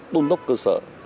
tôn tốc cơ sở